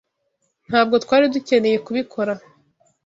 Ntabwo twari dukeneye kubikora